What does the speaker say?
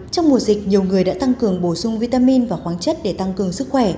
trong mùa dịch nhiều người đã tăng cường bổ sung vitamin và khoáng chất để tăng cường sức khỏe